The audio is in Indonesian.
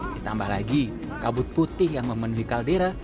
ditambah lagi kabut putih yang memenuhi kaldera